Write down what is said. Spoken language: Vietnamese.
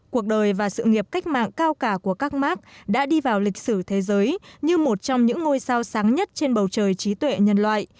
cuộc đời và sự nghiệp cách mạng cao cả của các mark đã đi vào lịch sử thế giới như một trong những ngôi sao sáng nhất trên bầu trời trí tuệ nhân loại